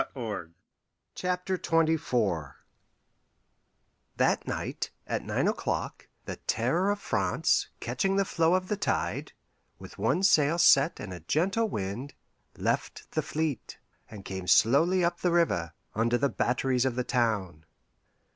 THE SACRED COUNTERSIGN That night, at nine o'clock, the Terror of France, catching the flow of the tide, with one sail set and a gentle wind, left the fleet, and came slowly up the river, under the batteries of the town.